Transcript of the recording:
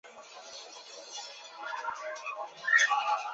我就认金友庄做干太太！